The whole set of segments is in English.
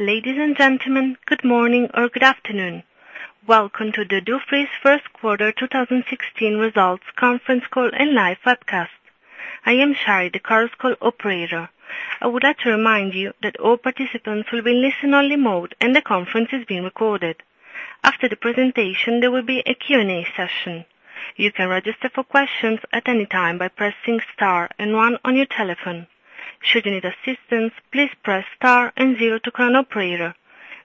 Ladies and gentlemen, good morning or good afternoon. Welcome to the Dufry's first quarter 2016 results conference call and live webcast. I am Shari, the conference call operator. I would like to remind you that all participants will be in listen-only mode and the conference is being recorded. After the presentation, there will be a Q&A session. You can register for questions at any time by pressing star and one on your telephone. Should you need assistance, please press star and zero to connect to an operator.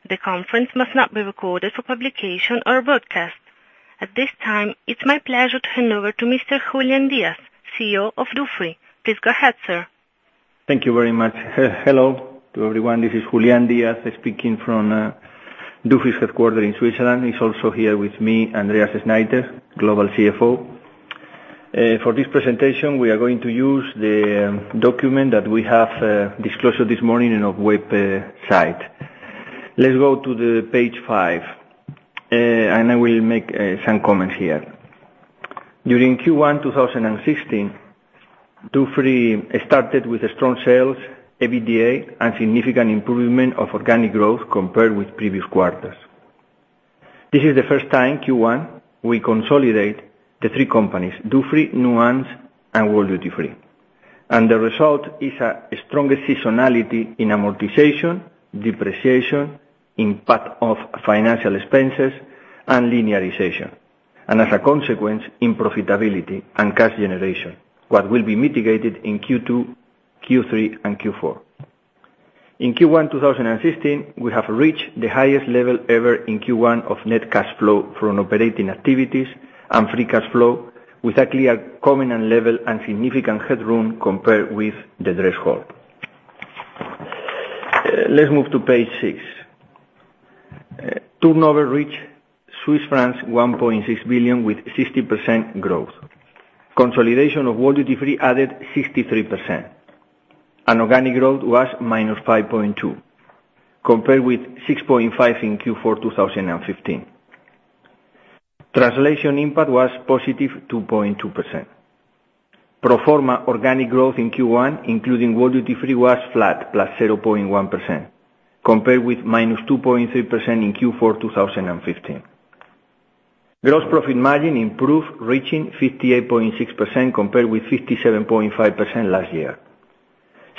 The conference must not be recorded for publication or broadcast. At this time, it's my pleasure to hand over to Mr. Julián Díaz, CEO of Dufry. Please go ahead, sir. Thank you very much. Hello to everyone. This is Julián Díaz speaking from Dufry's headquarter in Switzerland. Also here with me, Andreas Schneiter, Global CFO. For this presentation, we are going to use the document that we have disclosed this morning in our website. Let's go to page five. I will make some comments here. During Q1 2016, Dufry started with strong sales, EBITDA, and significant improvement of organic growth compared with previous quarters. This is the first time, Q1, we consolidate the three companies, Dufry, Nuance, and World Duty Free. The result is a strong seasonality in amortization, depreciation, impact of financial expenses, and linearization. As a consequence, in profitability and cash generation, what will be mitigated in Q2, Q3, and Q4. In Q1 2016, we have reached the highest level ever in Q1 of net cash flow from operating activities and free cash flow with a clear covenant level and significant headroom compared with the threshold. Let's move to page six. Turnover reached 1.6 billion with 60% growth. Consolidation of World Duty Free added 63%. Organic growth was -5.2%, compared with 6.5% in Q4 2015. Translation impact was positive 2.2%. Pro forma organic growth in Q1, including World Duty Free, was flat, +0.1%, compared with -2.3% in Q4 2015. Gross profit margin improved, reaching 58.6% compared with 57.5% last year.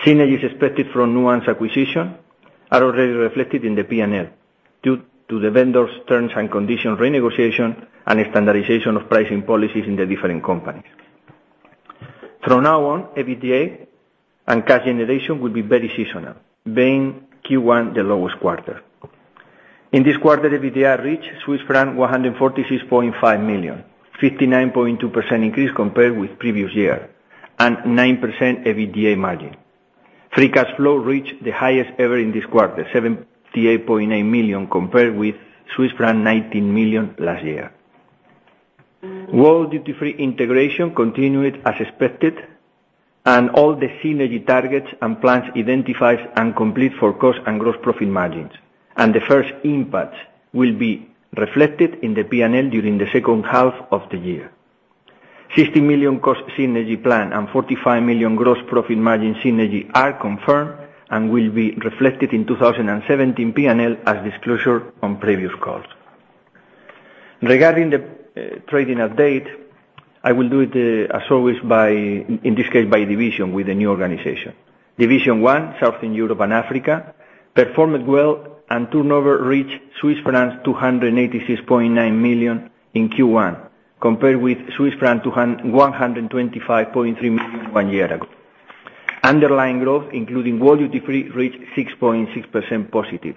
Synergies expected from Nuance acquisition are already reflected in the P&L due to the vendor's terms and condition renegotiation and standardization of pricing policies in the different companies. From now on, EBITDA and cash generation will be very seasonal, being Q1 the lowest quarter. In this quarter, EBITDA reached Swiss franc 146.5 million, 59.2% increase compared with the previous year, and 9% EBITDA margin. Free cash flow reached the highest ever in this quarter, 78.9 million, compared with Swiss franc 19 million last year. World Duty Free integration continued as expected. All the synergy targets and plans identified and completed for cost and gross profit margins. The first impacts will be reflected in the P&L during the second half of the year. 60 million cost synergy plan and 45 million gross profit margin synergy are confirmed and will be reflected in 2017 P&L as disclosure on previous calls. Regarding the trading update, I will do it as always, in this case, by division with the new organization. Division one, Southern Europe and Africa, performed well and turnover reached 286.9 million in Q1, compared with 125.3 million one year ago. Underlying growth, including World Duty Free, reached 6.6% positive,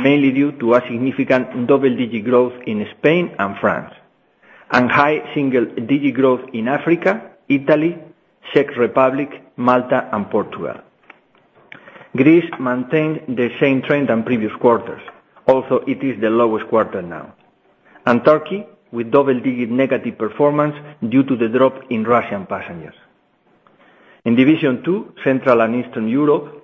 mainly due to a significant double-digit growth in Spain and France, and high single-digit growth in Africa, Italy, Czech Republic, Malta, and Portugal. Greece maintained the same trend than previous quarters, although it is the lowest quarter now. Turkey, with double-digit negative performance due to the drop in Russian passengers. In division two, Central and Eastern Europe,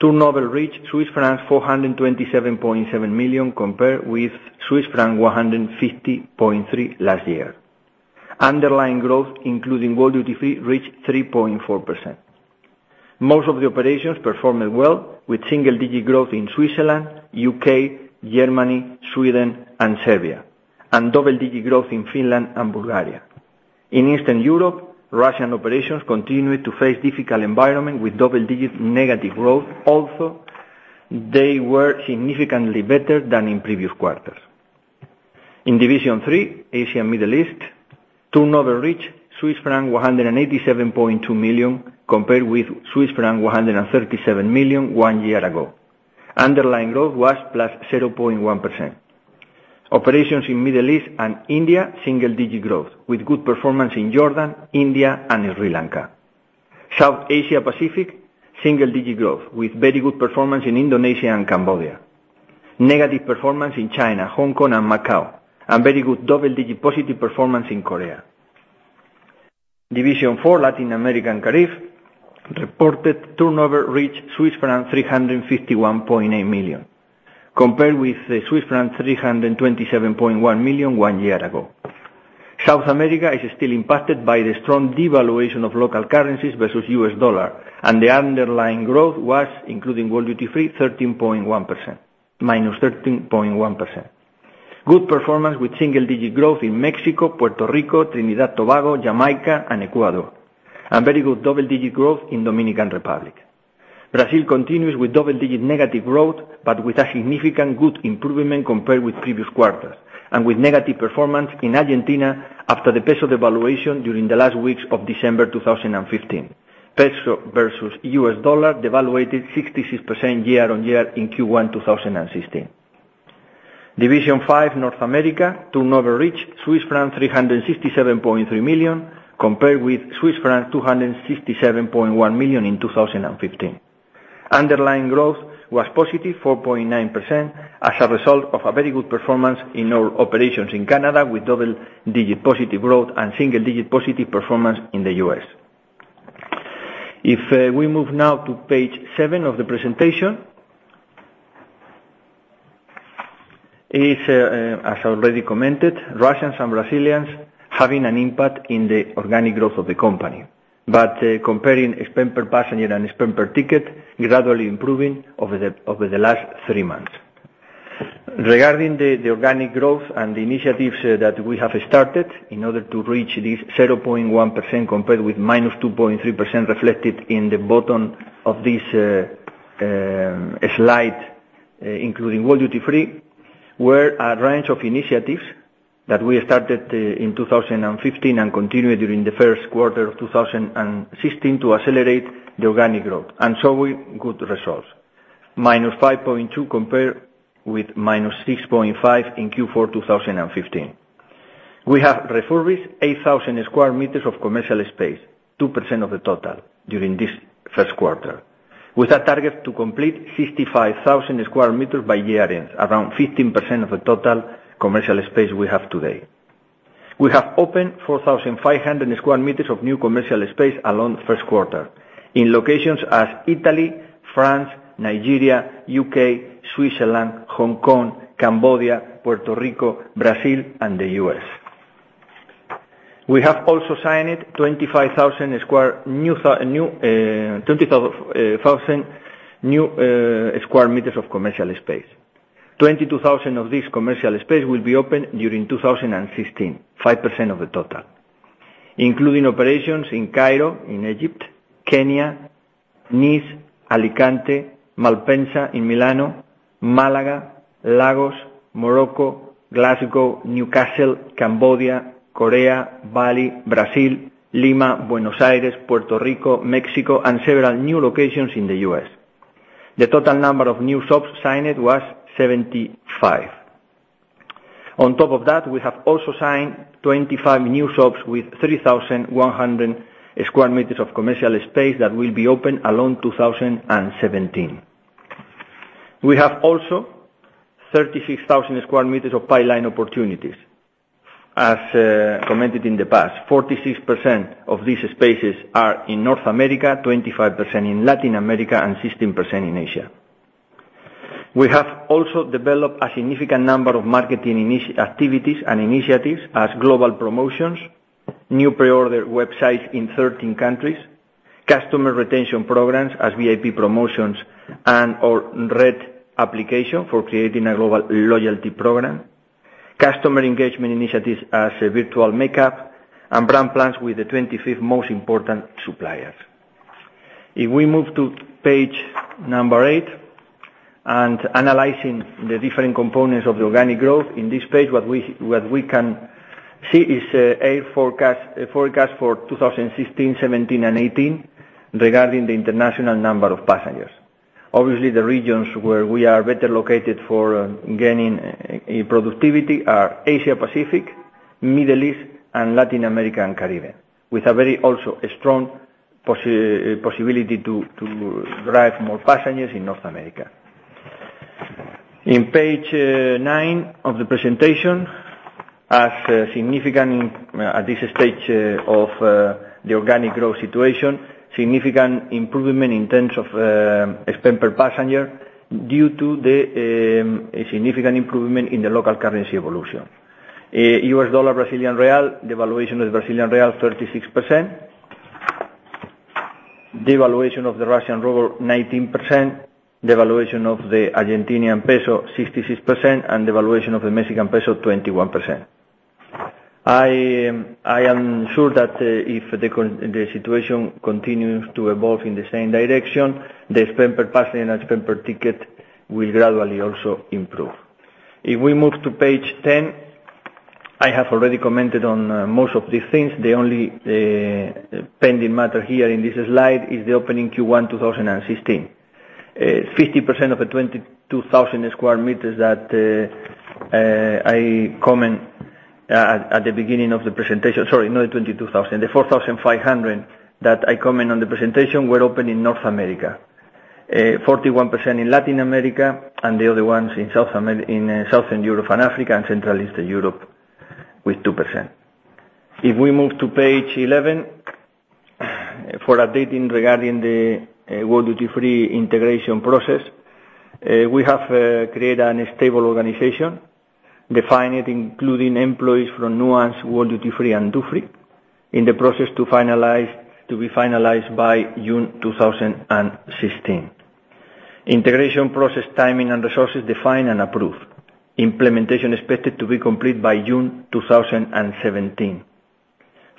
turnover reached Swiss francs 427.7 million compared with Swiss franc 150.3 last year. Underlying growth, including World Duty Free, reached 3.4%. Most of the operations performed well with single-digit growth in Switzerland, U.K., Germany, Sweden, and Serbia, and double-digit growth in Finland and Bulgaria. In Eastern Europe, Russian operations continued to face difficult environment with double-digit negative growth, although they were significantly better than in previous quarters. In division three, Asia and Middle East, turnover reached Swiss franc 187.2 million, compared with Swiss franc 137 million one year ago. Underlying growth was +0.1%. Operations in Middle East and India, single-digit growth with good performance in Jordan, India, and Sri Lanka. South Asia Pacific, single-digit growth with very good performance in Indonesia and Cambodia. Negative performance in China, Hong Kong, and Macau, and very good double-digit positive performance in Korea. Division four, Latin America and Caribbean, reported turnover reached Swiss franc 351.8 million, compared with Swiss franc 327.1 million one year ago. South America is still impacted by the strong devaluation of local currencies versus U.S. dollar, and the underlying growth was, including World Duty Free, -13.1%. Good performance with single-digit growth in Mexico, Puerto Rico, Trinidad, Tobago, Jamaica, and Ecuador, and very good double-digit growth in Dominican Republic. Brazil continues with double-digit negative growth, but with a significant good improvement compared with previous quarters, and with negative performance in Argentina after the peso devaluation during the last weeks of December 2015. Peso versus U.S. dollar devaluated 66% year-on-year in Q1 2016. Division five, North America, turnover reached Swiss francs 367.3 million, compared with Swiss francs 267.1 million in 2015. Underlying growth was +4.9%, as a result of a very good performance in our operations in Canada, with double-digit positive growth and single-digit positive performance in the U.S. If we move now to page seven of the presentation. As already commented, Russians and Brazilians having an impact in the organic growth of the company. Comparing spend per passenger and spend per ticket, gradually improving over the last three months. Regarding the organic growth and the initiatives that we have started in order to reach this 0.1% compared with -2.3% reflected in the bottom of this slide, including World Duty Free, were a range of initiatives that we started in 2015 and continued during the first quarter of 2016 to accelerate the organic growth, and showing good results, -5.2% compared with -6.5% in Q4 2015. We have refurbished 8,000 sq m of commercial space, 2% of the total, during this first quarter. With a target to complete 65,000 sq m by year-end, around 15% of the total commercial space we have today. We have opened 4,500 sq m of new commercial space along the first quarter in locations as Italy, France, Nigeria, U.K., Switzerland, Hong Kong, Cambodia, Puerto Rico, Brazil, and the U.S. We have also signed 25,000 new sq m of commercial space. 22,000 of this commercial space will be open during 2016, 5% of the total, including operations in Cairo, in Egypt, Kenya, Nice, Alicante, Malpensa in Milano, Malaga, Lagos, Morocco, Glasgow, Newcastle, Cambodia, Korea, Bali, Brazil, Lima, Buenos Aires, Puerto Rico, Mexico, and several new locations in the U.S. The total number of new shops signed was 75. On top of that, we have also signed 25 new shops with 3,100 sq m of commercial space that will be open along 2017. We have also 36,000 sq m of pipeline opportunities. As commented in the past, 46% of these spaces are in North America, 25% in Latin America, and 16% in Asia. We have also developed a significant number of marketing activities and initiatives as global promotions, new pre-order websites in 13 countries, customer retention programs as VIP promotions and/or RED by Dufry application for creating a global loyalty program, customer engagement initiatives as virtual makeup, and brand plans with the 25 most important suppliers. We move to page eight and analyzing the different components of the organic growth. In this page, what we can see is a forecast for 2016, 2017, and 2018 regarding the international number of passengers. Obviously, the regions where we are better located for gaining productivity are Asia-Pacific, Middle East, and Latin America and Caribbean, with a very also strong possibility to drive more passengers in North America. On page nine of the presentation, at this stage of the organic growth situation, significant improvement in terms of spend per passenger due to the significant improvement in the local currency evolution. U.S. dollar/Brazilian real, devaluation of the Brazilian real, 36%. Devaluation of the Russian ruble, 19%. Devaluation of the Argentinian peso, 66%, and devaluation of the Mexican peso, 21%. I am sure that if the situation continues to evolve in the same direction, the spend per passenger and spend per ticket will gradually also improve. We move to page 10, I have already commented on most of these things. The only pending matter here in this slide is the opening Q1 2016. 50% of the 22,000 sq m that I comment at the beginning of the presentation. Sorry, not 22,000. The 4,500 that I comment on the presentation were opened in North America, 41% in Latin America, and the other ones in Southern Europe and Africa and Central Eastern Europe with 2%. We move to page 11. For updating regarding the World Duty Free integration process. We have created a stable organization, defined it including employees from Nuance, World Duty Free and Dufry. In the process to be finalized by June 2016. Integration process timing and resources defined and approved. Implementation expected to be complete by June 2017.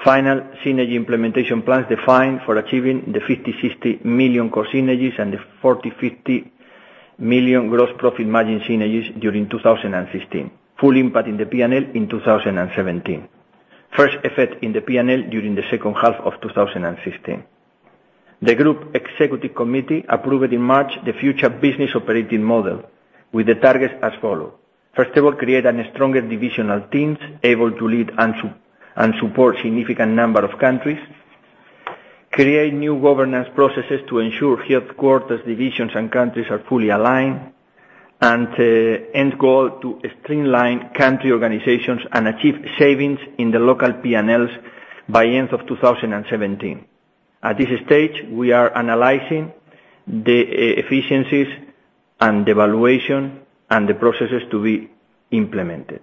Final synergy implementation plans defined for achieving the 50/60 million core synergies and the 40/50 million gross profit margin synergies during 2016. Full impact in the P&L in 2017. First effect in the P&L during the second half of 2016. The group executive committee approved in March the future business operating model with the targets as follow. First of all, create a stronger divisional teams able to lead and support significant number of countries. Create new governance processes to ensure headquarters, divisions, and countries are fully aligned. End goal to streamline country organizations and achieve savings in the local P&Ls by end of 2017. At this stage, we are analyzing the efficiencies and the valuation and the processes to be implemented.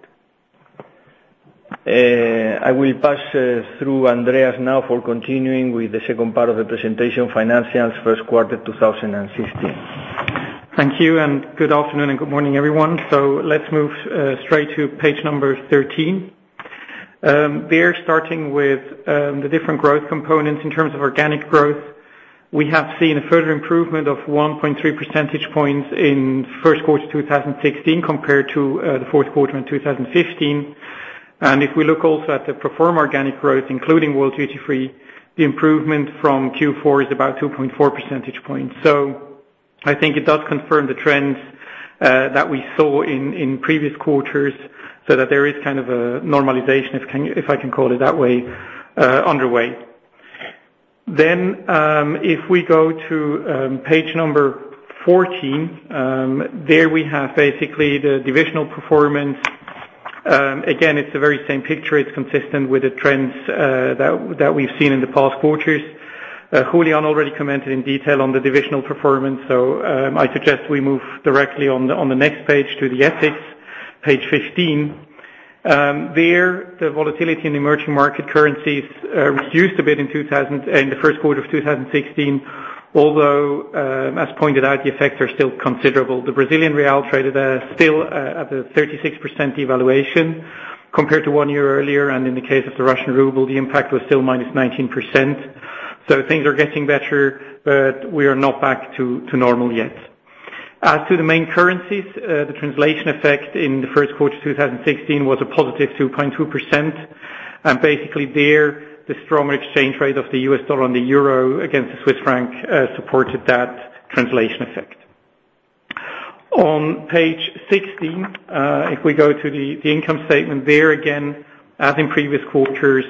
I will pass through Andreas Schneiter now for continuing with the second part of the presentation financials first quarter 2016. Thank you, good afternoon and good morning, everyone. Let's move straight to page number 13. There, starting with the different growth components in terms of organic growth. We have seen a further improvement of 1.3 percentage points in first quarter 2016 compared to the fourth quarter in 2015. If we look also at the pro forma organic growth, including World Duty Free, the improvement from Q4 is about 2.4 percentage points. I think it does confirm the trends that we saw in previous quarters, so that there is kind of a normalization, if I can call it that way, underway. If we go to page number 14, there we have basically the divisional performance. Again, it's the very same picture. It's consistent with the trends that we've seen in the past quarters. Julián Díaz already commented in detail on the divisional performance. I suggest we move directly on the next page to the FX, page 15. There, the volatility in emerging market currencies reduced a bit in the first quarter of 2016, although, as pointed out, the effects are still considerable. The Brazilian real traded still at the 36% devaluation compared to one year earlier, and in the case of the Russian ruble, the impact was still -19%. Things are getting better, but we are not back to normal yet. As to the main currencies, the translation effect in the first quarter 2016 was a positive 2.2%. Basically there, the strong exchange rate of the US dollar and the euro against the Swiss franc supported that translation effect. On page 16, if we go to the income statement, there again, as in previous quarters,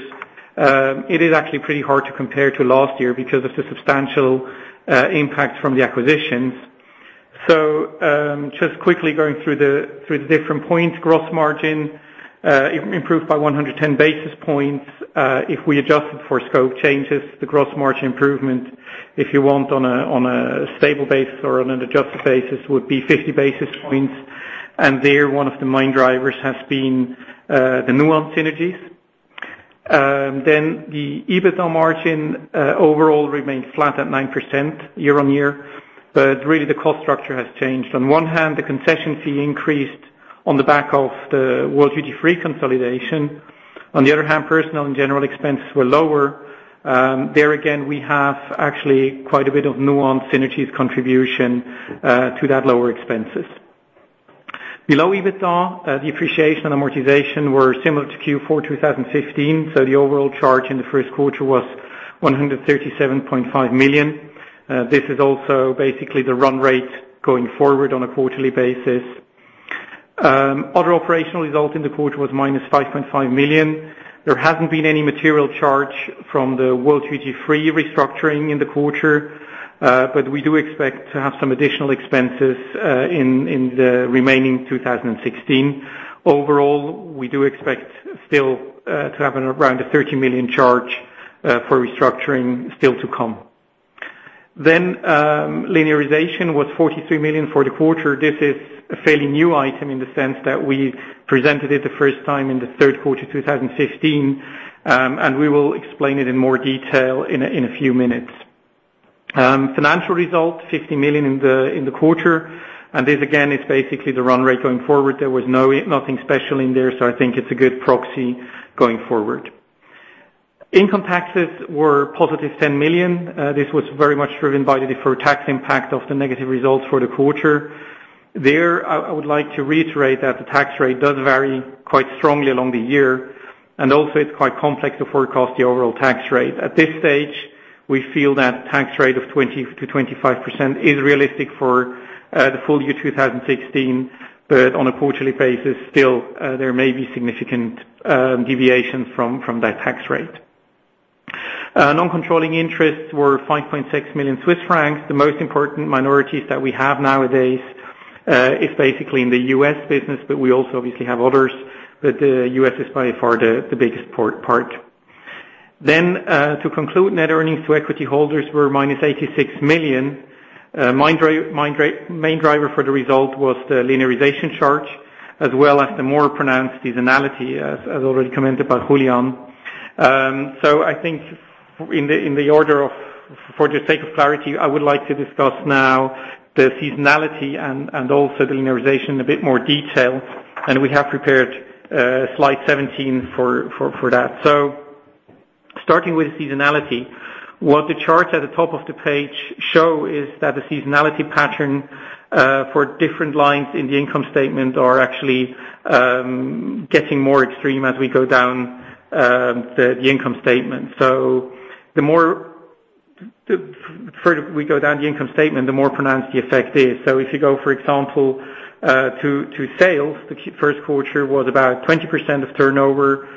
it is actually pretty hard to compare to last year because of the substantial impact from the acquisitions. Just quickly going through the different points. Gross margin improved by 110 basis points. If we adjusted for scope changes, the gross margin improvement, if you want on a stable basis or on an adjusted basis, would be 50 basis points. There, one of the main drivers has been the Nuance synergies. The EBITDA margin overall remained flat at 9% year-on-year. Really the cost structure has changed. On one hand, the concession fee increased on the back of the World Duty Free consolidation. On the other hand, personal and general expenses were lower. There again, we have actually quite a bit of Nuance synergies contribution to that lower expenses. Below EBITDA, the depreciation and amortization were similar to Q4 2015. The overall charge in the first quarter was 137.5 million. This is also basically the run rate going forward on a quarterly basis. Other operational results in the quarter was -5.5 million. There hasn't been any material charge from the World Duty Free restructuring in the quarter. We do expect to have some additional expenses in the remaining 2016. Overall, we do expect still to have around a 30 million charge for restructuring still to come. Linearization was 43 million for the quarter. This is a fairly new item in the sense that we presented it the first time in the third quarter 2015. We will explain it in more detail in a few minutes. Financial results, 50 million in the quarter. This again, is basically the run rate going forward. There was nothing special in there. I think it's a good proxy going forward. Income taxes were +10 million. This was very much driven by the deferred tax impact of the negative results for the quarter. There, I would like to reiterate that the tax rate does vary quite strongly along the year, and also it's quite complex to forecast the overall tax rate. At this stage, we feel that tax rate of 20%-25% is realistic for the full year 2016, but on a quarterly basis, still, there may be significant deviations from that tax rate. Non-controlling interests were 5.6 million Swiss francs. The most important minorities that we have nowadays It's basically in the U.S. business, but we also obviously have others, but the U.S. is by far the biggest part. To conclude, net earnings to equity holders were -86 million. Main driver for the result was the linearization charge as well as the more pronounced seasonality as already commented by Julián. I think for the sake of clarity, I would like to discuss now the seasonality and also the linearization in a bit more detail, and we have prepared slide 17 for that. Starting with seasonality, what the charts at the top of the page show is that the seasonality pattern, for different lines in the income statement are actually getting more extreme as we go down the income statement. The further we go down the income statement, the more pronounced the effect is. If you go, for example, to sales, the first quarter was about 20% of turnover.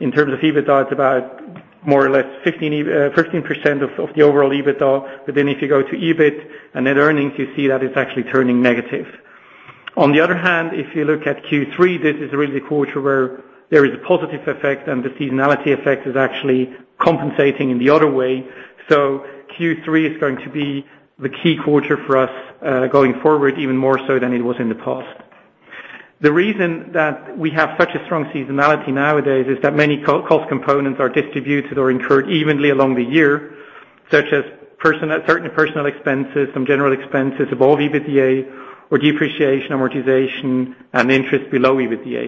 In terms of EBITDA, it's about more or less 15% of the overall EBITDA. If you go to EBIT and net earnings, you see that it's actually turning negative. On the other hand, if you look at Q3, this is really a quarter where there is a positive effect and the seasonality effect is actually compensating in the other way. Q3 is going to be the key quarter for us, going forward, even more so than it was in the past. The reason that we have such a strong seasonality nowadays is that many cost components are distributed or incurred evenly along the year, such as certain personal expenses, some general expenses above EBITDA or depreciation, amortization, and interest below EBITDA.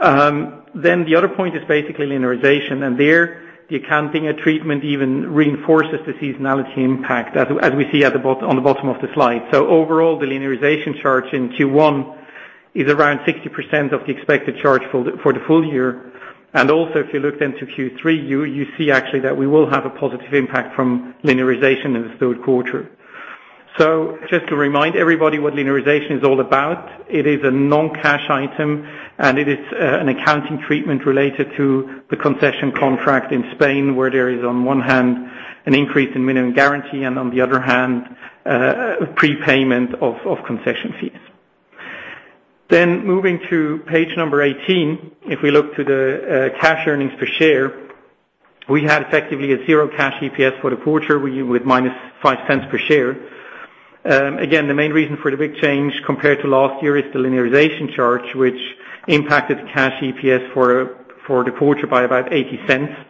The other point is basically linearization, and there the accounting treatment even reinforces the seasonality impact as we see on the bottom of the slide. Overall, the linearization charge in Q1 is around 60% of the expected charge for the full year. If you look to Q3, you see actually that we will have a positive impact from linearization in the third quarter. Just to remind everybody what linearization is all about, it is a non-cash item, and it is an accounting treatment related to the concession contract in Spain, where there is, on one hand, an increase in minimum guarantee and on the other hand, prepayment of concession fees. Moving to page 18, if we look to the cash earnings per share, we had effectively a zero Cash EPS for the quarter with minus 0.05 per share. Again, the main reason for the big change compared to last year is the linearization charge, which impacted Cash EPS for the quarter by about 0.80.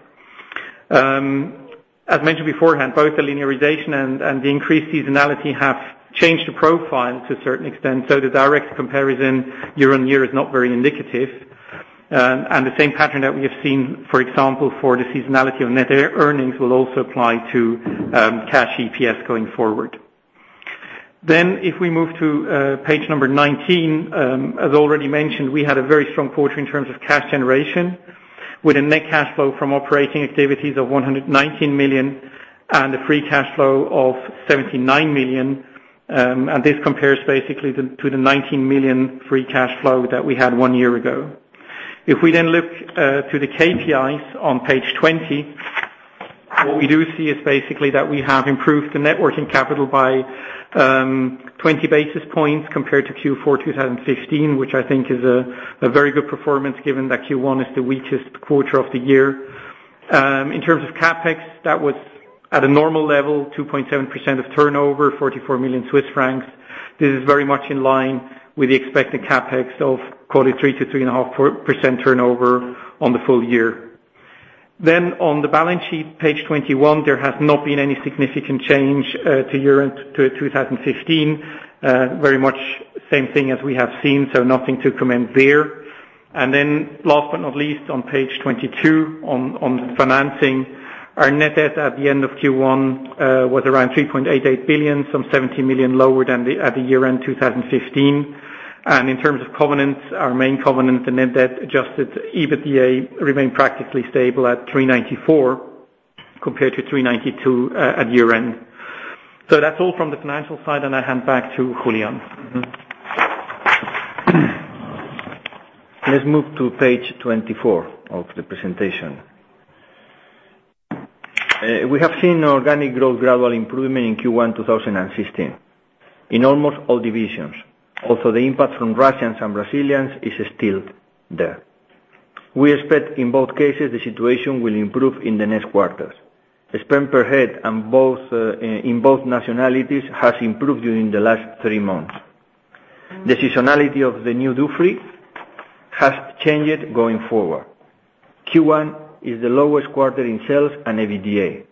As mentioned beforehand, both the linearization and the increased seasonality have changed the profile to a certain extent, the direct comparison year-on-year is not very indicative. The same pattern that we have seen, for example, for the seasonality of net earnings will also apply to Cash EPS going forward. If we move to page 19, as already mentioned, we had a very strong quarter in terms of cash generation with a net cash flow from operating activities of 119 million and a free cash flow of 79 million. This compares basically to the 19 million free cash flow that we had one year ago. If we look to the KPIs on page 20, what we do see is basically that we have improved the net working capital by 20 basis points compared to Q4 2015, which I think is a very good performance given that Q1 is the weakest quarter of the year. In terms of CapEx, that was at a normal level, 2.7% of turnover, 44 million Swiss francs. This is very much in line with the expected CapEx of quarter 3 to 3.5% turnover on the full year. On the balance sheet, page 21, there has not been any significant change to year-end 2015. Very much same thing as we have seen, nothing to comment there. Last but not least, on page 22 on financing, our net debt at the end of Q1, was around 3.88 billion, some 70 million lower than at the year-end 2015. In terms of covenants, our main covenant and net debt adjusted EBITDA remained practically stable at 394 compared to 392 at year-end. That's all from the financial side, and I hand back to Julián. Let's move to page 24 of the presentation. We have seen organic growth gradually improving in Q1 2016 in almost all divisions, although the impact from Russians and Brazilians is still there. We expect in both cases the situation will improve in the next quarters. Spend per head in both nationalities has improved during the last three months. The seasonality of the new duty free has changed going forward. Q1 is the lowest quarter in sales and EBITDA,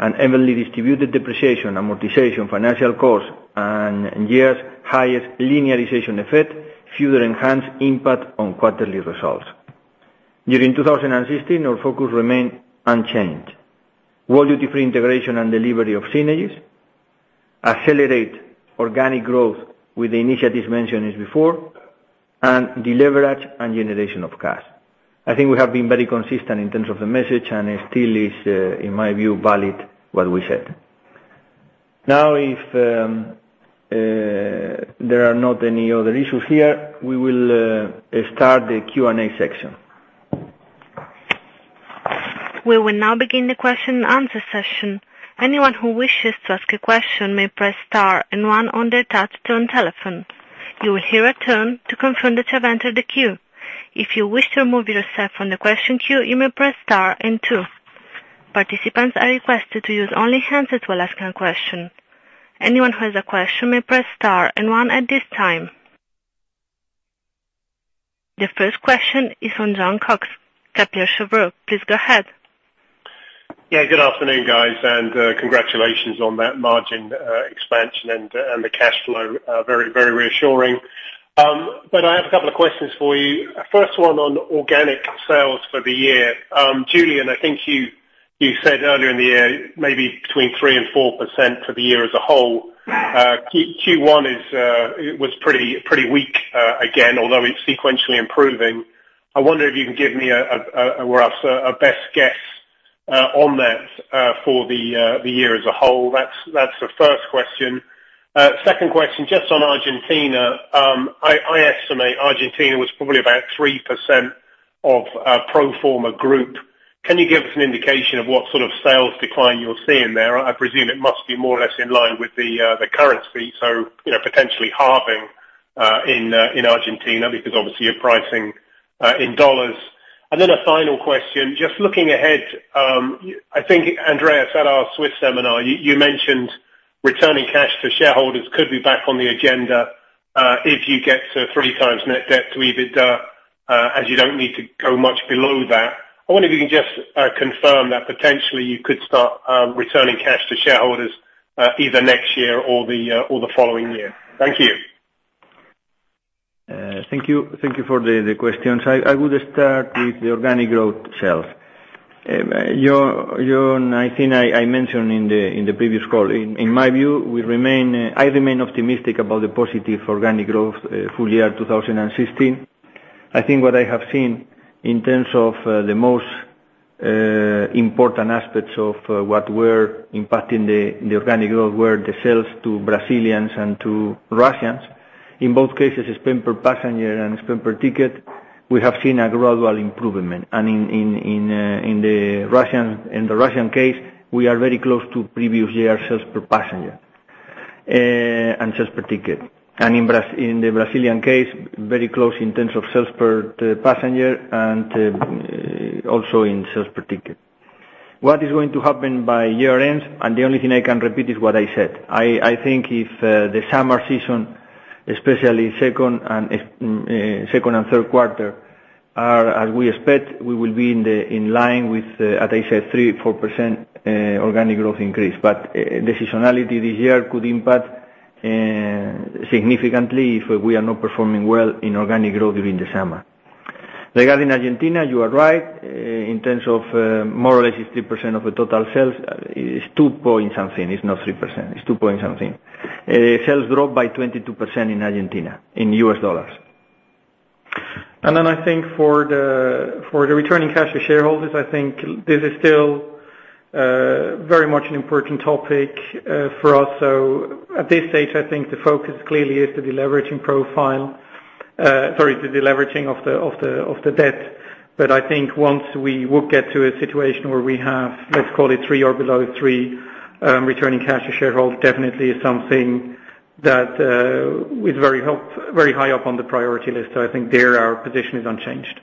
and evenly distributed depreciation, amortization, financial cost, and year's highest linearization effect further enhance impact on quarterly results. During 2016, our focus remained unchanged. World Duty Free integration and delivery of synergies. Accelerate organic growth with the initiatives mentioned before. Deleverage and generation of cash. I think we have been very consistent in terms of the message, and it still is, in my view, valid what we said. If there are not any other issues here, we will start the Q&A section. We will now begin the question and answer session. Anyone who wishes to ask a question may press star and one on their touch-tone telephone. You will hear a tone to confirm that you have entered the queue. If you wish to remove yourself from the question queue, you may press star and two. Participants are requested to use only hands to ask a question. Anyone who has a question may press star and one at this time. The first question is from Jon Cox, Kepler Cheuvreux. Please go ahead. Good afternoon, guys, congratulations on that margin expansion and the cash flow. Very reassuring. I have a couple of questions for you. First one on organic sales for the year. Julián, I think you said earlier in the year, maybe between 3%-4% for the year as a whole. Q1 was pretty weak again, although it's sequentially improving. I wonder if you can give me a best guess on that for the year as a whole. That's the first question. Second question, just on Argentina. I estimate Argentina was probably about 3% of pro forma group. Can you give us an indication of what sort of sales decline you're seeing there? I presume it must be more or less in line with the currency, so potentially halving in Argentina because obviously you're pricing in dollars. A final question, just looking ahead. I think Andreas said at our Swiss seminar, you mentioned returning cash to shareholders could be back on the agenda, if you get to 3 times net debt to EBITDA, as you don't need to go much below that. I wonder if you can just confirm that potentially you could start returning cash to shareholders, either next year or the following year. Thank you. Thank you for the questions. I would start with the organic growth sales. Jon, I think I mentioned in the previous call. In my view, I remain optimistic about the positive organic growth full year 2016. I think what I have seen in terms of the most important aspects of what we're impacting the organic growth were the sales to Brazilians and to Russians. In both cases, spend per passenger and spend per ticket, we have seen a gradual improvement. In the Russian case, we are very close to previous year sales per passenger and sales per ticket. In the Brazilian case, very close in terms of sales per passenger and also in sales per ticket. What is going to happen by year-end? The only thing I can repeat is what I said. I think if the summer season, especially second and third quarter, are as we expect, we will be in line with, as I said, 3%, 4% organic growth increase. Decisionality this year could impact significantly if we are not performing well in organic growth during the summer. Regarding Argentina, you are right. In terms of more or less 3% of the total sales. It's two-point-something, it's not 3%. It's two-point-something. Sales dropped by 22% in Argentina in U.S. dollars. I think for the returning cash to shareholders, I think this is still very much an important topic for us. At this stage, I think the focus clearly is the deleveraging profile. Sorry, the deleveraging of the debt. I think once we would get to a situation where we have, let's call it 3 or below 3, returning cash to shareholders, definitely is something that is very high up on the priority list. I think there our position is unchanged.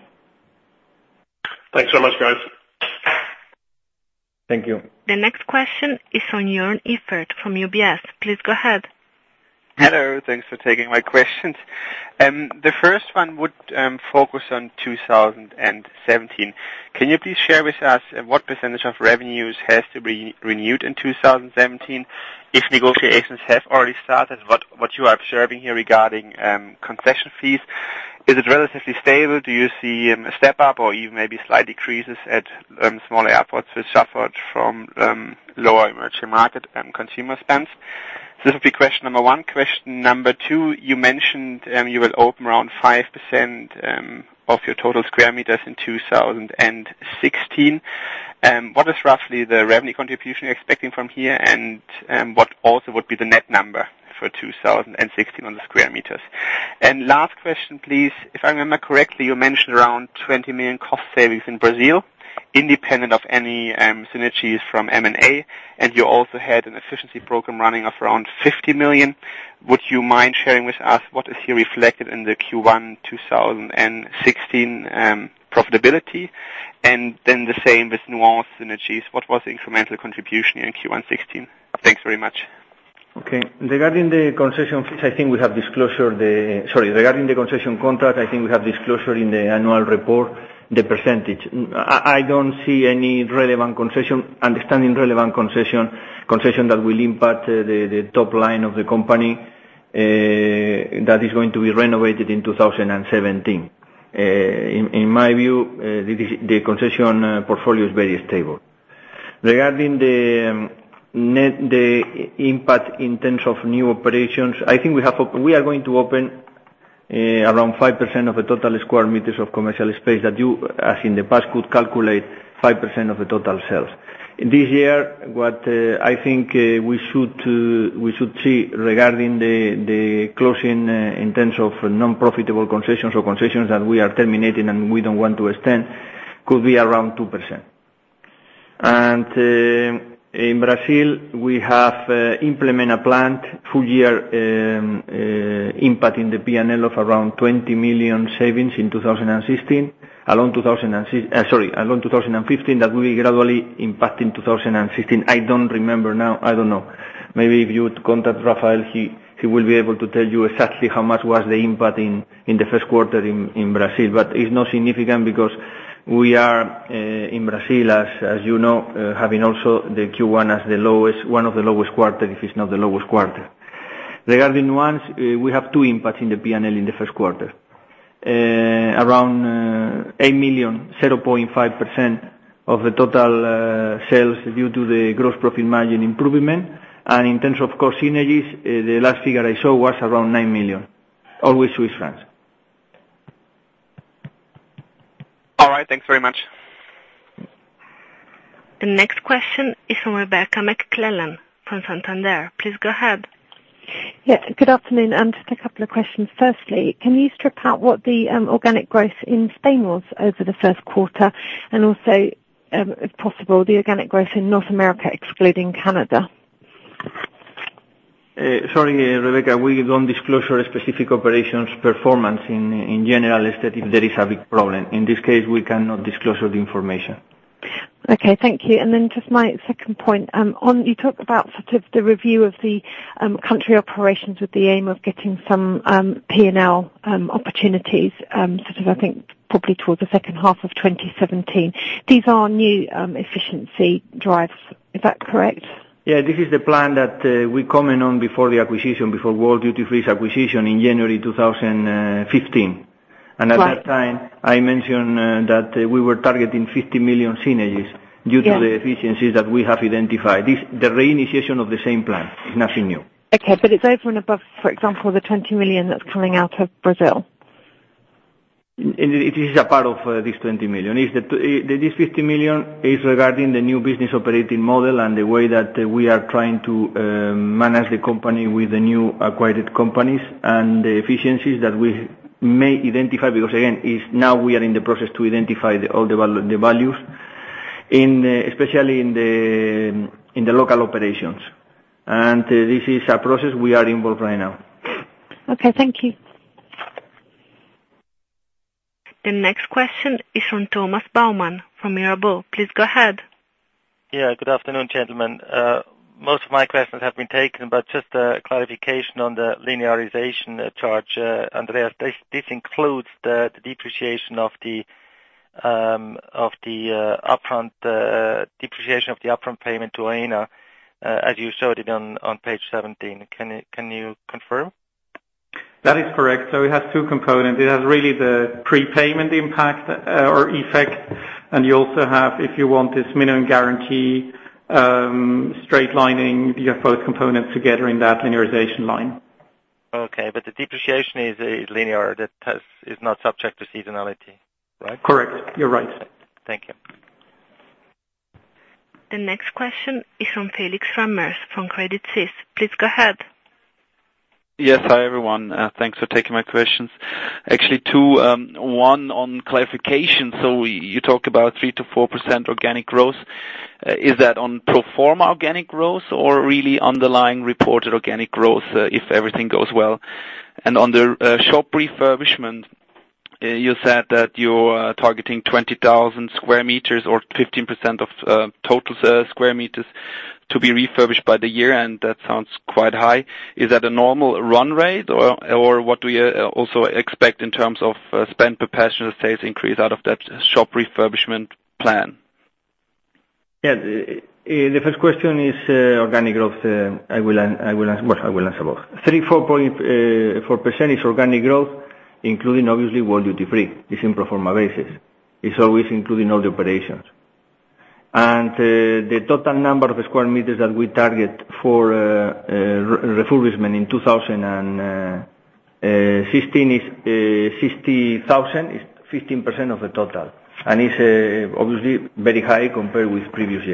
Thanks so much, guys. Thank you. The next question is from Joern Iffert from UBS. Please go ahead. Hello. Thanks for taking my questions. The first one would focus on 2017. Can you please share with us what % of revenues has to be renewed in 2017? If negotiations have already started, what you are observing here regarding concession fees. Is it relatively stable? Do you see a step up or even maybe slight decreases at small airports which suffered from lower emerging market and consumer spends? This will be question number 1. Question number 2, you mentioned you will open around 5% of your total sq m in 2016. What is roughly the revenue contribution you're expecting from here? What also would be the net number for 2016 on the sq m? Last question, please. If I remember correctly, you mentioned around 20 million cost savings in Brazil, independent of any synergies from M&A. You also had an efficiency program running of around 50 million. Would you mind sharing with us what is here reflected in the Q1 2016 profitability? The same with Nuance synergies. What was the incremental contribution in Q1 2016? Thanks very much. Okay. Regarding the concession contract, I think we have disclosure in the annual report, the percentage. I don't see any understanding relevant concession that will impact the top line of the company that is going to be renovated in 2017. In my view, the concession portfolio is very stable. Regarding the impact in terms of new operations, I think we are going to open around 5% of the total sq m of commercial space that you, as in the past, could calculate 5% of the total sales. This year, what I think we should see regarding the closing in terms of non-profitable concessions or concessions that we are terminating and we don't want to extend, could be around 2%. In Brazil, we have implement a plan full year impact in the P&L of around 20 million savings in 2016. Sorry, along 2015, that will be gradually impact in 2016. I don't remember now. I don't know. Maybe if you would contact Rafael, he will be able to tell you exactly how much was the impact in the first quarter in Brazil. It's not significant because we are, in Brazil, as you know, having also the Q1 as one of the lowest quarter, if it's not the lowest quarter. Regarding Nuance, we have two impacts in the P&L in the first quarter. Around 8 million, 0.5% of the total sales due to the gross profit margin improvement. In terms of cost synergies, the last figure I saw was around 9 million. Always CHF. All right. Thanks very much. The next question is from Rebecca McClellan from Santander. Please go ahead. Yeah. Good afternoon. Just a couple of questions. Firstly, can you strip out what the organic growth in Spain was over the first quarter, and also, if possible, the organic growth in North America excluding Canada? Sorry, Rebecca. We don't disclose our specific operations performance in general, except if there is a big problem. In this case, we cannot disclose all the information. Okay, thank you. Then just my second point. You talked about sort of the review of the country operations with the aim of getting some P&L opportunities, sort of I think probably towards the second half of 2017. These are new efficiency drives. Is that correct? Yeah, this is the plan that we comment on before the acquisition, before World Duty Free's acquisition in January 2015. Right. At that time, I mentioned that we were targeting 50 million synergies. Yeah due to the efficiencies that we have identified. The re-initiation of the same plan. It's nothing new. Okay. It's over and above, for example, the 20 million that's coming out of Brazil? It is a part of this 20 million. This 50 million is regarding the new business operating model and the way that we are trying to manage the company with the new acquired companies and the efficiencies that we may identify, because, again, now we are in the process to identify all the values, especially in the local operations. This is a process we are involved right now. Okay, thank you. The next question is from Thomas Baumann from Mirabaud. Please go ahead. Good afternoon, gentlemen. Most of my questions have been taken, but just a clarification on the linearization charge. Andreas, this includes the depreciation of the upfront payment to Aena, as you showed it on page 17. Can you confirm? That is correct. It has two components. It has really the prepayment impact or effect. You also have, if you want, this minimum guarantee, straight lining. You have both components together in that linearization line. Okay. The depreciation is linear. That is not subject to seasonality, right? Correct. You're right. Thank you. The next question is from Felix Remmers from Credit Suisse. Please go ahead. Yes. Hi, everyone. Thanks for taking my questions. Actually two. One on clarification. You talk about 3%-4% organic growth. Is that on pro forma organic growth or really underlying reported organic growth, if everything goes well? And on the shop refurbishment, you said that you're targeting 20,000 square meters or 15% of total square meters to be refurbished by the year, and that sounds quite high. Is that a normal run rate, or what do you also expect in terms of spend per passenger, sales increase out of that shop refurbishment plan? The first question is organic growth. I will answer both. 3% to 4% is organic growth, including obviously World Duty Free. It's in pro forma basis. It's always including all the operations. The total number of square meters that we target for refurbishment in 2016 is 60,000, is 15% of the total. It's obviously very high compared with previous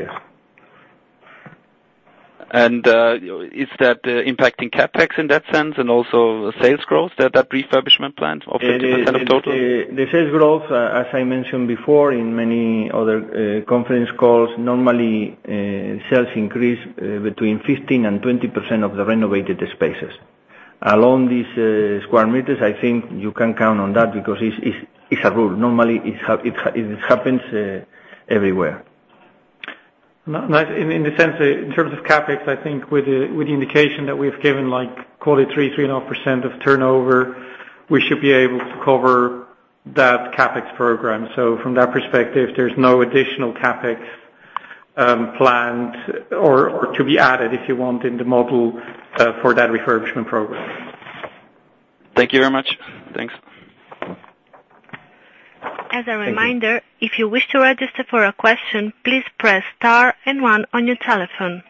year. Is that impacting CapEx in that sense and also sales growth, that refurbishment plan of 15% of total? The sales growth, as I mentioned before, in many other conference calls, normally sales increase between 15%-20% of the renovated spaces. Along these sq m, I think you can count on that because it's a rule. Normally it happens everywhere. In the sense, in terms of CapEx, I think with the indication that we've given like call it 3%-3.5% of turnover, we should be able to cover that CapEx program. From that perspective, there's no additional CapEx planned or to be added, if you want, in the model for that refurbishment program. Thank you very much. Thanks. As a reminder, if you wish to register for a question, please press star and one on your telephone.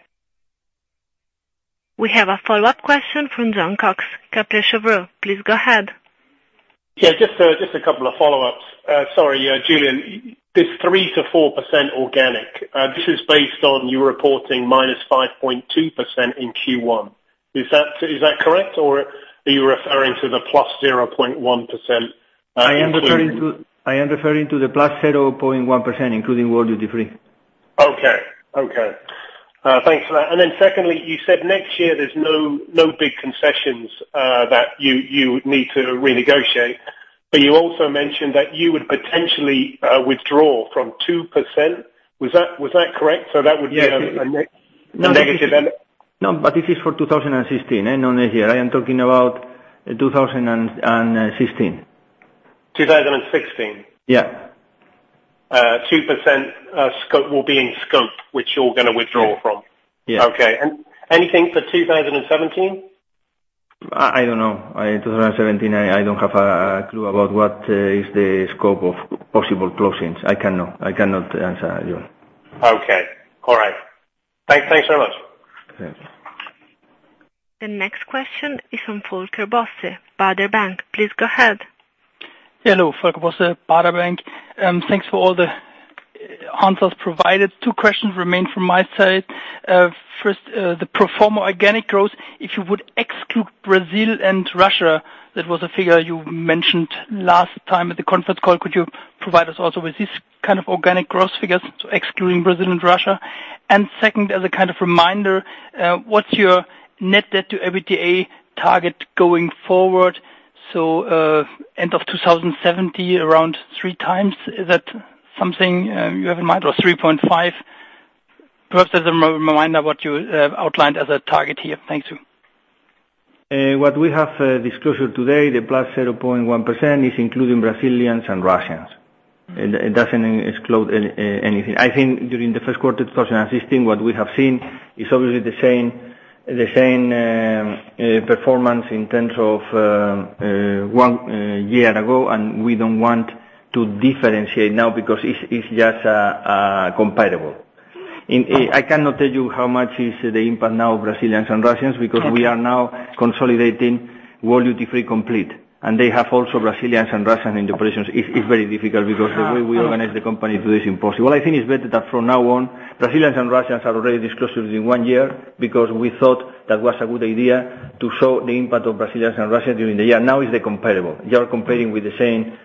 We have a follow-up question from Jon Cox, Jefferies. Please go ahead. Yeah, just a couple of follow-ups. Sorry, Julián, this 3%-4% organic, this is based on you reporting minus 5.2% in Q1. Is that correct? Or are you referring to the plus 0.1%? I am referring to the plus 0.1%, including World Duty Free. Okay. Thanks for that. Secondly, you said next year there's no big concessions that you would need to renegotiate, but you also mentioned that you would potentially withdraw from 2%. Was that correct? That would be- Yes. -a negative. No, this is for 2016, and only here. I am talking about 2016. 2016? Yeah. 2%, will be in scope, which you're going to withdraw from? Yeah. Okay. Anything for 2017? I don't know. 2017, I don't have a clue about what is the scope of possible closings. I cannot answer you. Okay. All right. Thanks so much. Thanks. The next question is from Volker Bosse, Baader Bank. Please go ahead. Hello, Volker Bosse, Baader Bank. Thanks for all the answers provided. Two questions remain from my side. First, the pro forma organic growth, if you would exclude Brazil and Russia, that was a figure you mentioned last time at the conference call. Could you provide us also with this kind of organic growth figures, so excluding Brazil and Russia? Second, as a kind of reminder, what's your net debt to EBITDA target going forward? End of 2017, around three times, is that something you have in mind, or 3.5? Perhaps as a reminder what you outlined as a target here. Thank you. What we have, disclosure today, the plus 0.1% is including Brazilians and Russians. It doesn't exclude anything. I think during the first quarter 2016, what we have seen is obviously the same performance in terms of one year ago, we don't want to differentiate now because it's just comparable. I cannot tell you how much is the impact now of Brazilians and Russians, because we are now consolidating World Duty Free complete, they have also Brazilians and Russians in the operations. It's very difficult because the way we organize the company, it was impossible. I think it's better that from now on, Brazilians and Russians are already disclosed within one year, because we thought that was a good idea to show the impact of Brazilians and Russians during the year. Now is they comparable. You are comparing with the same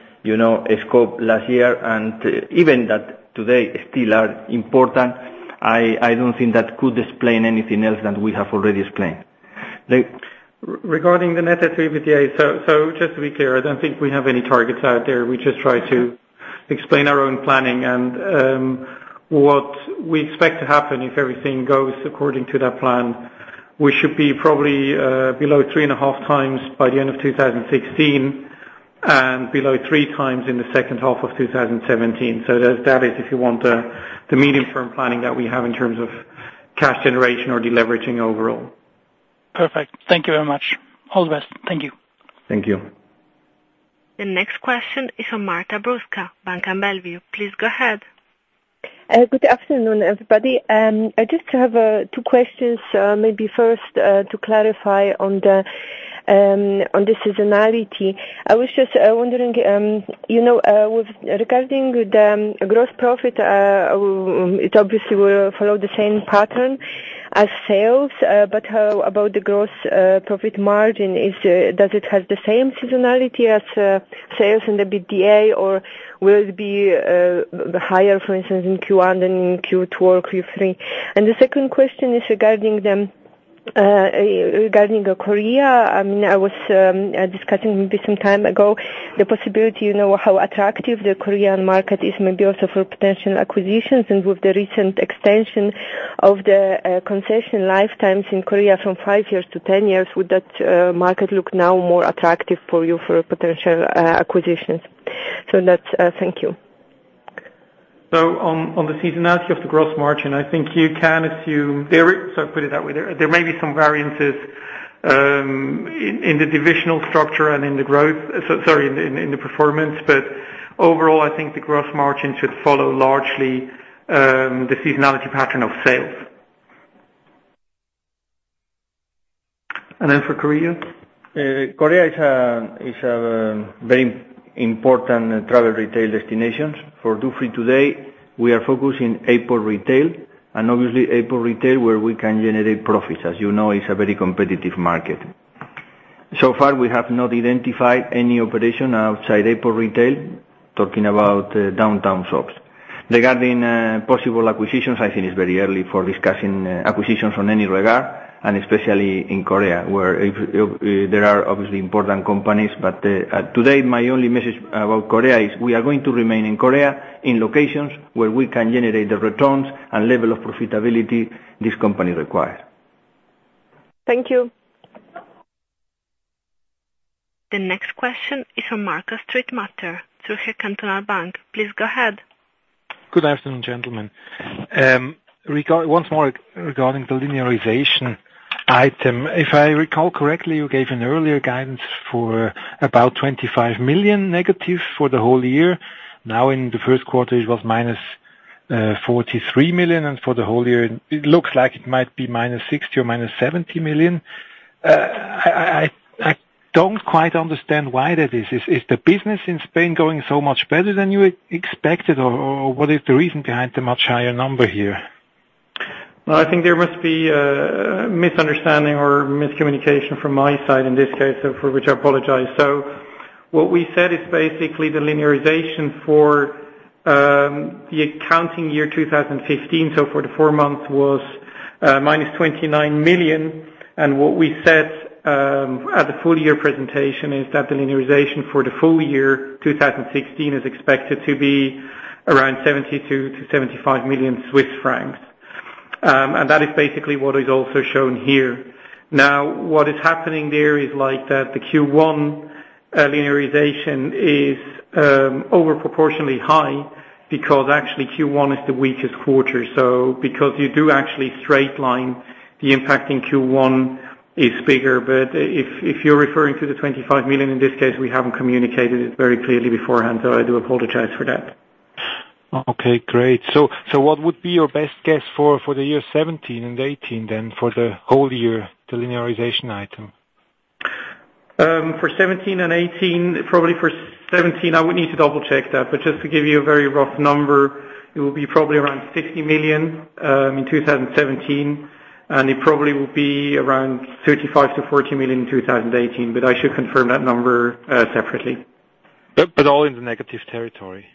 scope last year and even that today still are important. I don't think that could explain anything else than we have already explained. Just to be clear, I don't think we have any targets out there. We just try to explain our own planning and what we expect to happen if everything goes according to that plan. We should be probably below 3.5 times by the end of 2016 and below 3 times in the second half of 2017. That is if you want the medium-term planning that we have in terms of cash generation or deleveraging overall. Perfect. Thank you very much. All the best. Thank you. Thank you. The next question is from Marta Bruska, Bank am Bellevue. Please go ahead. Good afternoon, everybody. I just have two questions, maybe first, to clarify on the seasonality. I was just wondering, regarding the gross profit, it obviously will follow the same pattern as sales. How about the gross profit margin? Does it have the same seasonality as sales in the EBITDA, or will it be higher, for instance, in Q1 than in Q2 or Q3? The second question is regarding Korea. I was discussing maybe some time ago, the possibility, how attractive the Korean market is maybe also for potential acquisitions and with the recent extension of the concession lifetimes in Korea from five years to 10 years. Would that market look now more attractive for you for potential acquisitions? Thank you. On the seasonality of the gross margin, I think you can assume. There may be some variances in the divisional structure and in the performance, but overall, I think the gross margin should follow largely the seasonality pattern of sales. For Korea? Korea is a very important travel retail destinations. For duty free today, we are focused in airport retail, and obviously airport retail where we can generate profits. As you know, it's a very competitive market. So far, we have not identified any operation outside airport retail, talking about downtown shops. Regarding possible acquisitions, I think it's very early for discussing acquisitions on any regard, and especially in Korea, where there are obviously important companies. Today, my only message about Korea is we are going to remain in Korea in locations where we can generate the returns and level of profitability this company requires. Thank you. The next question is from [Markus Waeber], Zürcher Kantonalbank. Please go ahead. Good afternoon, gentlemen. Once more regarding the linearization item. If I recall correctly, you gave an earlier guidance for about 25 million negative for the whole year. In the first quarter, it was minus 43 million, and for the whole year, it looks like it might be minus 60 million or minus 70 million. I don't quite understand why that is. Is the business in Spain going so much better than you expected, or what is the reason behind the much higher number here? Well, I think there must be a misunderstanding or miscommunication from my side in this case, for which I apologize. What we said is basically the linearization for the accounting year 2015, for the four months was minus 29 million. What we said at the full year presentation is that the linearization for the full year 2016 is expected to be around 72 million to 75 million Swiss francs. That is basically what is also shown here. What is happening there is that the Q1 linearization is over proportionally high because actually Q1 is the weakest quarter. Because you do actually straight line, the impact in Q1 is bigger. If you're referring to the 25 million, in this case, we haven't communicated it very clearly beforehand, so I do apologize for that. Okay, great. What would be your best guess for the year 2017 and 2018 then for the whole year, the linearization item? 2017 and 2018, probably for 2017, I would need to double-check that, just to give you a very rough number, it will be probably around 50 million in 2017, and it probably will be around 35 million-40 million in 2018. I should confirm that number separately. All in the negative territory.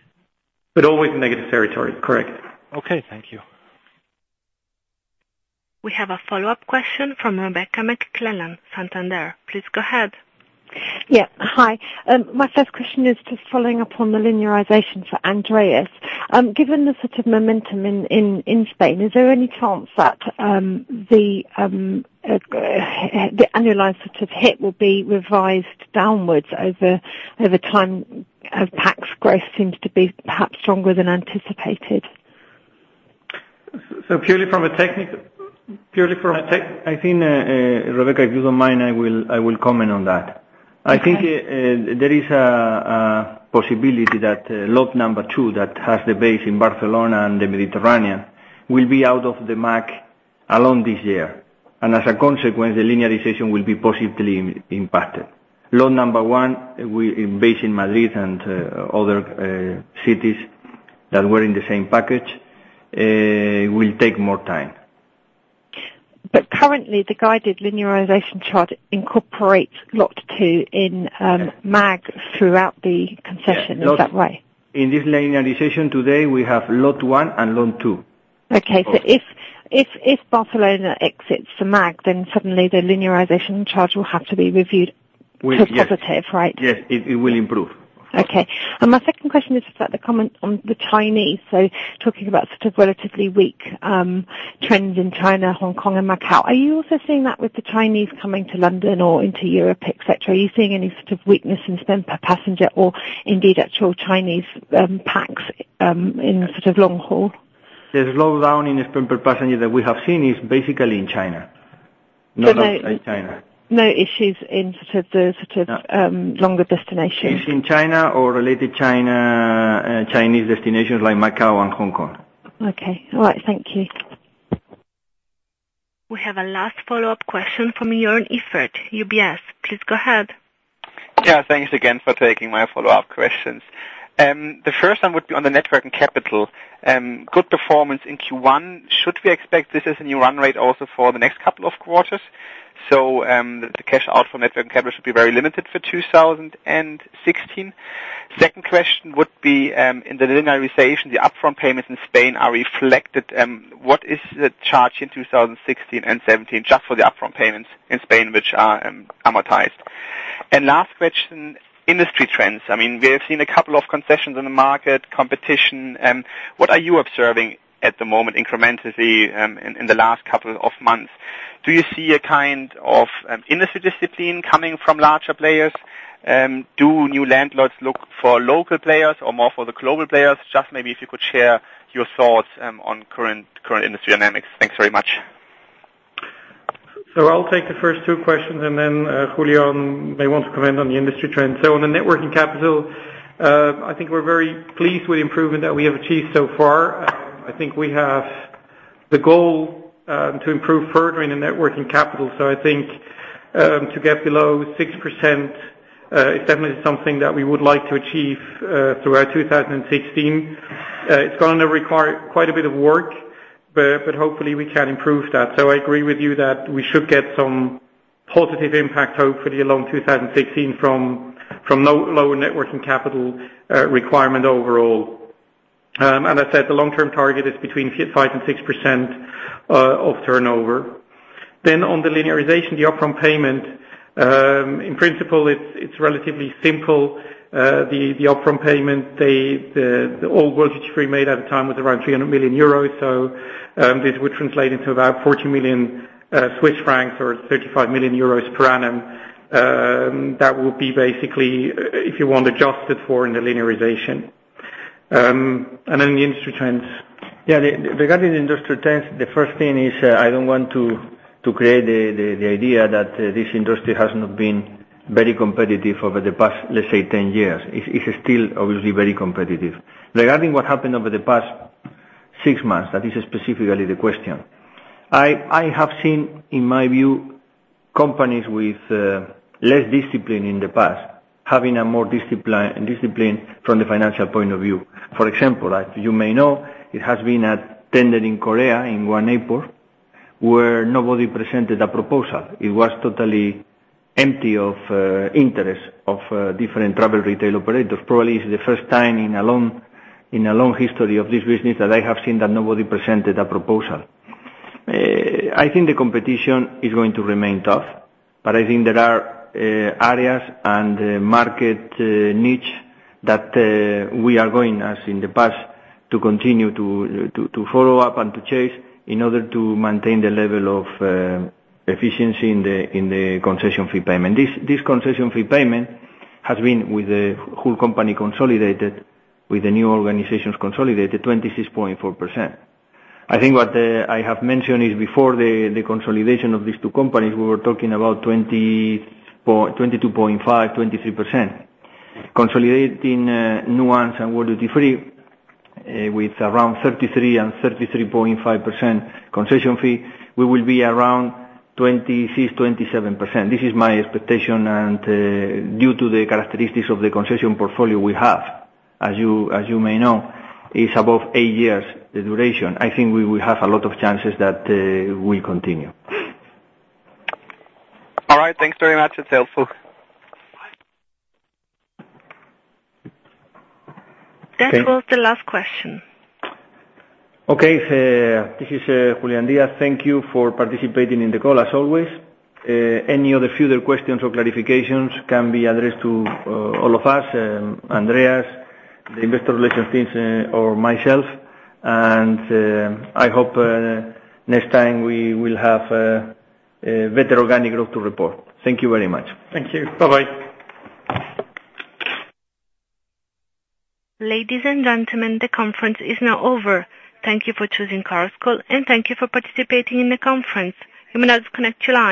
All in negative territory, correct. Okay, thank you. We have a follow-up question from Rebecca McClellan, Santander. Please go ahead. Yeah. Hi. My first question is just following up on the linearization for Andreas. Given the sort of momentum in Spain, is there any chance that the annualized sort of hit will be revised downwards over time as PAX growth seems to be perhaps stronger than anticipated? Purely from a technical. I think, Rebecca, if you don't mind, I will comment on that. Okay. I think there is a possibility that lot number 2, that has the base in Barcelona and the Mediterranean, will be out of the MAG along this year. As a consequence, the linearization will be positively impacted. Lot number 1, base in Madrid and other cities that were in the same package, will take more time. Currently, the guided linearization chart incorporates lot 2 in MAG throughout the concession. Is that right? In this linearization today, we have lot 1 and lot 2. Okay. If Barcelona exits the MAG, then suddenly the linearization charge will have to be reviewed to positive, right? Yes. It will improve. Okay. My second question is just about the comment on the Chinese. Talking about sort of relatively weak trends in China, Hong Kong, and Macau. Are you also seeing that with the Chinese coming to London or into Europe, et cetera? Are you seeing any sort of weakness in spend per passenger or indeed actual Chinese, PAX in sort of long haul? The slowdown in spend per passenger that we have seen is basically in China. No issues in sort of the longer destinations. It is in China or related Chinese destinations like Macau and Hong Kong. Okay. All right. Thank you. We have a last follow-up question from Joern Iffert, UBS. Please go ahead. Yeah. Thanks again for taking my follow-up questions. The first one would be on the net working capital. Good performance in Q1. Should we expect this as a new run rate also for the next couple of quarters? The cash out from net working capital should be very limited for 2016. Second question would be, in the linearization, the upfront payments in Spain are reflected. What is the charge in 2016 and 2017 just for the upfront payments in Spain, which are amortized? Last question, industry trends. We have seen a couple of concessions on the market, competition. What are you observing at the moment incrementally in the last couple of months? Do you see a kind of industry discipline coming from larger players? Do new landlords look for local players or more for the global players? Just maybe if you could share your thoughts on current industry dynamics. Thanks very much. I'll take the first two questions and then Julián may want to comment on the industry trends. On the net working capital, I think we're very pleased with the improvement that we have achieved so far. I think we have the goal to improve further in the net working capital. I think to get below 6% is definitely something that we would like to achieve throughout 2016. It's going to require quite a bit of work, but hopefully we can improve that. I agree with you that we should get some positive impact, hopefully along 2016 from lower net working capital requirement overall. As I said, the long-term target is between 5% and 6% of turnover. On the linearization, the upfront payment. In principle, it's relatively simple. The upfront payment, the old World Duty Free made at the time was around 300 million euros. This would translate into about 40 million Swiss francs or 35 million euros per annum. That will be basically, if you want, adjusted for in the linearization. The industry trends. Regarding the industry trends, the first thing is I don't want to create the idea that this industry has not been very competitive over the past, let's say, 10 years. It's still obviously very competitive. Regarding what happened over the past six months. That is specifically the question. I have seen, in my view, companies with less discipline in the past, having more discipline from the financial point of view. For example, as you may know, it has been attended in Korea, in Guam Airport, where nobody presented a proposal. It was totally empty of interest of different travel retail operators. Probably it's the first time in a long history of this business that I have seen that nobody presented a proposal. I think the competition is going to remain tough, I think there are areas and market niche that we are going, as in the past, to continue to follow up and to chase in order to maintain the level of efficiency in the concession fee payment. This concession fee payment has been, with the whole company consolidated, with the new organizations consolidated, 26.4%. I think what I have mentioned is before the consolidation of these two companies, we were talking about 22.5%, 23%. Consolidating The Nuance Group and World Duty Free with around 33% and 33.5% concession fee, we will be around 26%, 27%. This is my expectation and due to the characteristics of the concession portfolio we have, as you may know, is above eight years, the duration. I think we will have a lot of chances that will continue. Thanks very much. It's helpful. That was the last question. Okay. This is Julián Díaz. Thank you for participating in the call, as always. Any other further questions or clarifications can be addressed to all of us, Andreas, the investor relations teams, or myself. I hope next time we will have better organic growth to report. Thank you very much. Thank you. Bye-bye. Ladies and gentlemen, the conference is now over. Thank you for choosing Chorus Call, and thank you for participating in the conference. You may disconnect your lines.